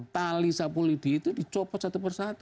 tali sapulidi itu dicopot satu persatu